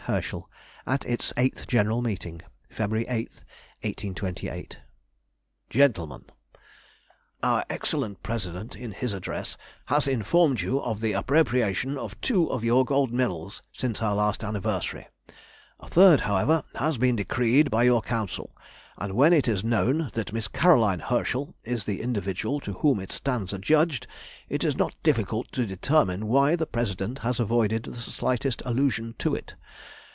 Herschel, at its Eighth General Meeting, February 8th, 1828._ GENTLEMEN,— Our excellent president, in his address, has informed you of the appropriation of two of your gold medals since our last anniversary:—a third, however, has been decreed by your council; and when it is known that Miss Caroline Herschel is the individual to whom it stands adjudged, it is not difficult to determine why the president has avoided the slightest allusion to it.